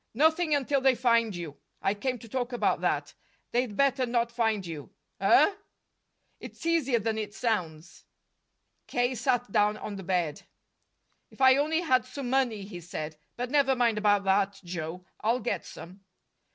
"Nothing until they find you. I came to talk about that. They'd better not find you." "Huh!" "It's easier than it sounds." K. sat down on the bed. "If I only had some money!" he said. "But never mind about that, Joe; I'll get some."